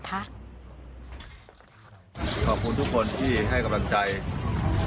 ขอบคุณทุกคนที่ให้กำลังใจ